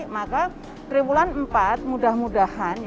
maka triwulan empat mudah mudahan